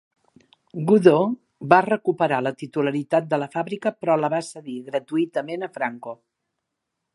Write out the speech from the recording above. Godó va recuperar la titularitat de la fàbrica però la va cedir gratuïtament a Franco.